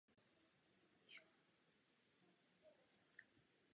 Svět však pokročil a my potřebujeme veřejnou diskusi.